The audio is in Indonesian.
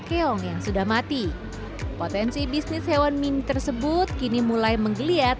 keong yang sudah mati potensi bisnis hewan mini tersebut kini mulai menggeliat